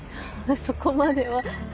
そこまでは。